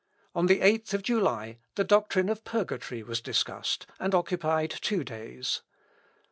On the 8th of July, the doctrine of purgatory was discussed, and occupied two days.